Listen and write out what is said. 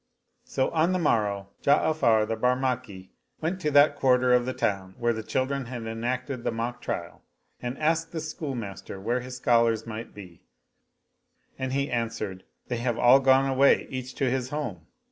So on the morrow Ja'afar the Barmaki went to that quarter of the town where the children had enacted the mock trial and 132 The Jar of Olives and the Boy Kasi asked the schoolmaster where his scholars might be, and he answered, " They have all gone away, each to his home."